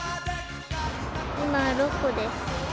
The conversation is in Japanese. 今６個です。